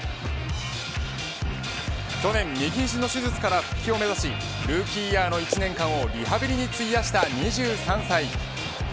去年右ひじの手術から復帰を目指しルーキーイヤーの一年間をリハビリに費やした２３歳。